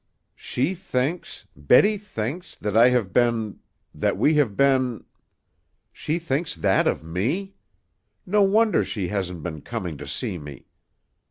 "She thinks, Betty thinks, that I have been that we have been ? She thinks that of me? No wonder she hasn't been coming to see me!"